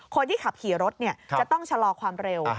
คนที่ขับขี่รถจะต้องชะลอความเร็ว